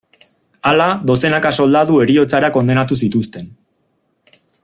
Hala, dozenaka soldadu heriotzara kondenatu zituzten.